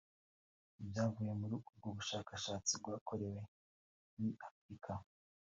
Ibyavuye muri ubwo bushakashatsi bwakorewe muri Afurika